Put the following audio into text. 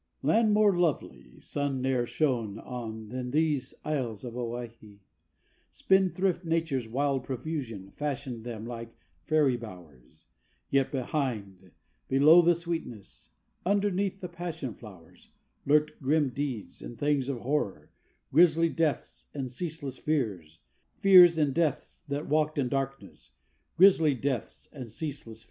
Land more lovely sun ne'er shone on than these isles of Owhyhee, Spendthrift Nature's wild profusion fashioned them like fairy bowers; Yet behind below the sweetness, underneath the passion flowers, Lurked grim deeds, and things of horror, grisly Deaths, and ceaseless Fears, Fears and Deaths that walked in Darkness, grisly Deaths and ceaseless Fears.